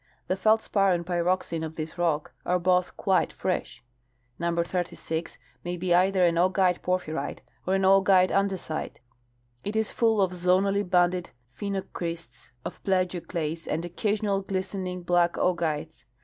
The feldspar and pyroxene of this rock are both quite fresh. Number 36 may be either an augite porphyrite or an augite andesite. It is full of zonally banded phenocrysts of plagioclase and occasional glistening black augites.